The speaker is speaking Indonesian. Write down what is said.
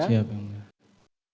siap ya mulia